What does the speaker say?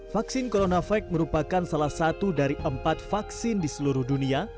vaksin coronavac merupakan salah satu dari empat vaksin di seluruh dunia